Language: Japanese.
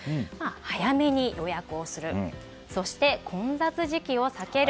早めに予約をするそして、混雑時期を避ける。